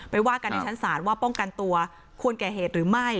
ว่ากันในชั้นศาลว่าป้องกันตัวควรแก่เหตุหรือไม่